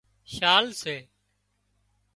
شال سي